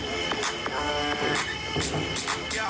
ต้องกินตาย